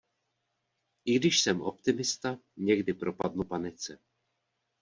I když jsem optimista, někdy propadnu panice.